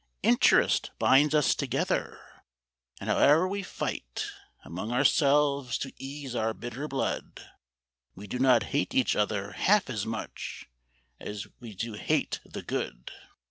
Interest Binds us together, and howe'er we fight Among ourselves to ease our bitter blood, We do not hate each other half as much As we do hate the good.